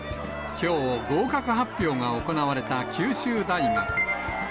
きょう、合格発表が行われた九州大学。